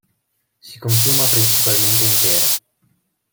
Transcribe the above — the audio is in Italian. Si consuma principalmente intero.